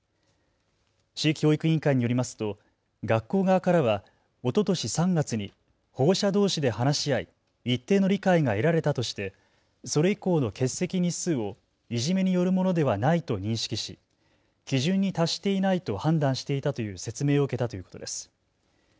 市教育委員会によりますと学校側からはおととし３月に保護者どうしで話し合い一定の理解が得られたとしてそれ以降の欠席日数をいじめによるものではないと認識し基準に達していないと判断していたという説明を受けたということです。